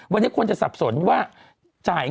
วันนี้ควรจะสับสนว่า